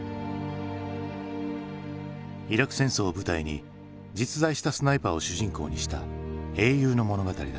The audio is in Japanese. イラク戦争を舞台に実在したスナイパーを主人公にした英雄の物語だ。